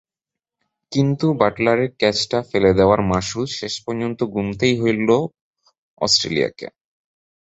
কিন্তু বাটলারের ক্যাচটা ফেলে দেওয়ার মাশুল শেষ পর্যন্ত গুনতেই হলো অস্ট্রেলিয়াকে।